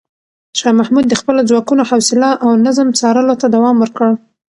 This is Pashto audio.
شاه محمود د خپلو ځواکونو حوصله او نظم څارلو ته دوام ورکړ.